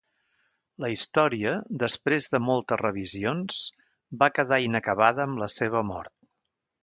La història, després de moltes revisions, va quedar inacabada amb la seva mort.